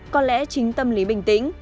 có lẽ chính tâm lý bình tĩnh